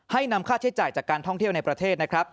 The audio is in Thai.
นำค่าใช้จ่ายจากการท่องเที่ยวในประเทศนะครับ